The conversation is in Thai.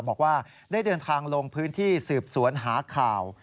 บอกว่าได้เดินทางลงพื้นที่สืบสวนหาข่าว